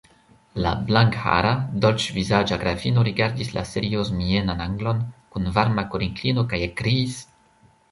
La blankhara, dolĉvizaĝa grafino rigardis la seriozmienan anglon kun varma korinklino kaj ekkriis: